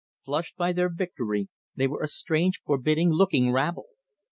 Flushed by their victory, they were a strange, forbidding looking rabble.